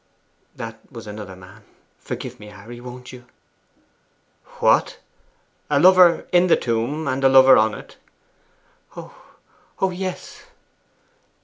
'That was another man. Forgive me, Harry, won't you?' 'What, a lover in the tomb and a lover on it?' 'Oh Oh yes!